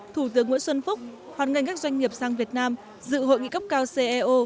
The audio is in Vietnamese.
thủ tướng nguyễn xuân phúc hoàn ngành các doanh nghiệp sang việt nam dự hội nghị cấp cao ceo